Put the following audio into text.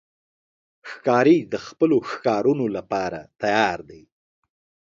ښکاري د خپلو ښکارونو لپاره تیار دی.